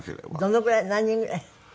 どのぐらい何人ぐらい？